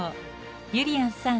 ゆりやんさん